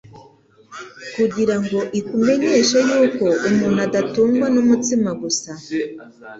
kugira ngo ikumenyeshe yuko umuntu adatungwa n'umutsima gusa,